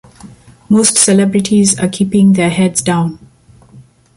Most celebrities are keeping their heads down.